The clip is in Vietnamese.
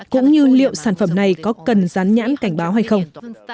cũng như liệu sản phẩm này có cần rán nhãn cảnh báo hay không